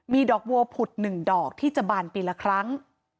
มีดอกบัวผุด๑ดอกที่จะบานปีละครั้ง